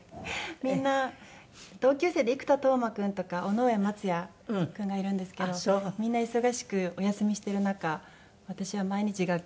みんな同級生で生田斗真君とか尾上松也君がいるんですけどみんな忙しくお休みしてる中私は毎日学校に行ってましたね。